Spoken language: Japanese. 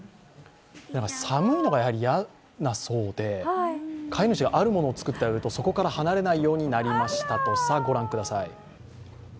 寒いのが嫌だそうで、飼い主があるものを作ってあげるとそこから離れないようになりましたとさ。